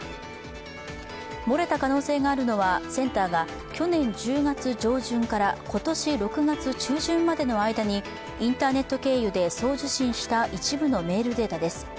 漏れた可能性があるのはセンターが去年１０月上旬から今年６月中旬までの間にインターネット経由で送受信した一部のメールデータです。